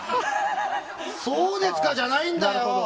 そうですかじゃないんだよ！